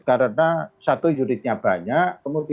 karena satu yang diperlukan adalah penyelesaian